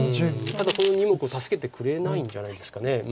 ただこの２目を助けてくれないんじゃないですか。